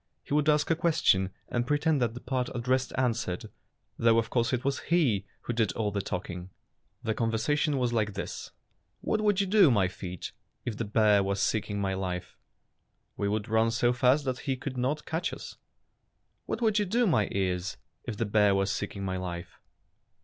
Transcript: He would ask a ques tion and pretend that the part addressed answered, though of course it was he who did all the talking. The conversation was like this: — Fairy Tale Foxes 221 "What would you do, my feet, if the bear was seeking my life?" ''We would run so fast that he could not catch you." "What would you do, my ears, if the bear was seeking my life?"